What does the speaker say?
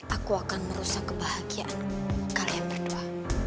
aku akan merusak kebahagiaanku kalian berdua